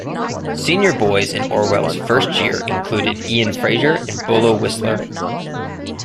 Senior boys in Orwell's first year included Ian Fraser and Bolo Whistler.